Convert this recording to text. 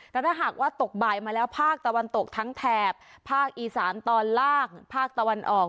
แต่ถ้าหากว่าตกบ่ายมาแล้วภาคตะวันตกทั้งแถบภาคอีสานตอนล่างภาคตะวันออก